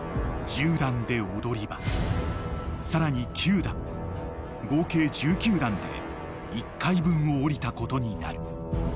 ［１０段で踊り場さらに９段合計１９段で１階分を下りたことになる］